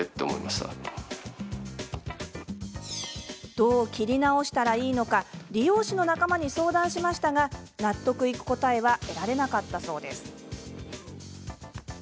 どう切り直したらいいのか理容師の仲間に相談しましたが納得いく答えは得られなかったそうです。